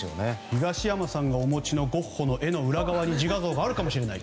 東山さんがお持ちのゴッホの絵の裏側にゴッホの自画像があるかもしれない。